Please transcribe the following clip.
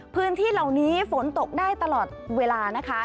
พื้นที่เหล่านี้ฝนตกได้ตลอดเวลานะคะ